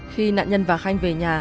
khi nạn nhân và khanh về nhà